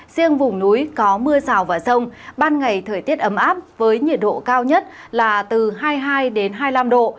riêng vùng núi có mưa rào và rông ban ngày thời tiết ấm áp với nhiệt độ cao nhất là từ hai mươi hai đến hai mươi năm độ